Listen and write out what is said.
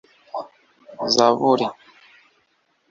zaburi ,